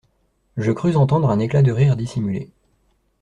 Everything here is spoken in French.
Je crus entendre un éclat de rire dissimulé.